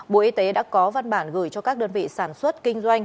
bộ y tế đã có văn bản gửi cho các đơn vị sản xuất kinh doanh